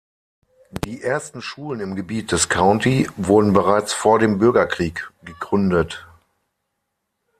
Die ersten Schulen im Gebiet des County wurden bereits vor dem Bürgerkrieg gegründet.